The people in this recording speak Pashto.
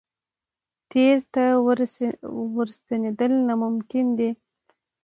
تېر ته ورستنېدل ناممکن دي.